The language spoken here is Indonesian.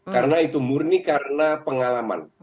karena itu murni karena pengalaman